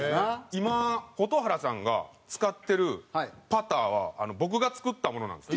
今蛍原さんが使ってるパターは僕が作ったものなんですよ。